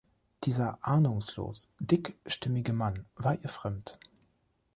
Dieser ahnungslos, dickstimmige Mann war ihr fremd.